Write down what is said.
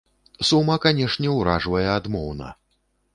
Сума, канешне, уражвае адмоўна.